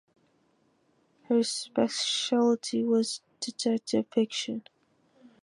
Her specialty was detective fiction.